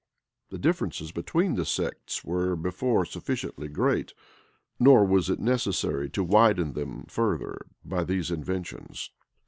The differences between the sects were before sufficiently great; nor was it necessary to widen them further by these inventions.